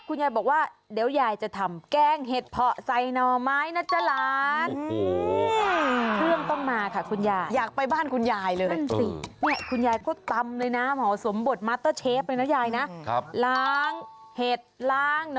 คุณยายบอกว่าเดี๋ยวยายจะทำแกงเห็ดเพาะใส่หน่อไม้นะจ๊ะหลาน